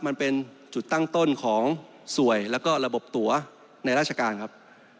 มันเป็นจุดตั้งต้นของสวยแล้วก็ระบบตัวในราชการครับ